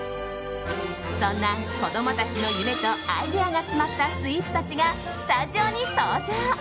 そんな子供たちの夢とアイデアが詰まったスイーツたちがスタジオに登場。